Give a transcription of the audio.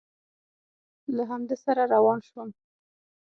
له همده سره روان شوم.